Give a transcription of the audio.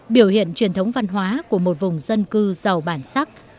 biểu hiện truyền thống văn hóa của một vùng dân cư giàu bản sắc